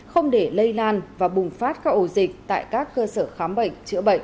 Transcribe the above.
không để lây lan và bùng phát các ổ dịch tại các cơ sở khám bệnh chữa bệnh